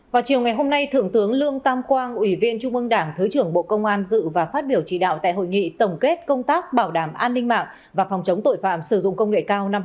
vào chiều ngày hôm nay thượng tướng lương tam quang ủy viên trung ương đảng thứ trưởng bộ công an dự và phát biểu chỉ đạo tại hội nghị tổng kết công tác bảo đảm an ninh mạng và phòng chống tội phạm sử dụng công nghệ cao năm hai nghìn hai mươi